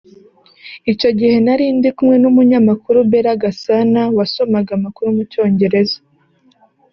icyo gihe nari ndi kumwe n’umunyamakuru Bella Gasana wasomaga amakuru mu cyongereza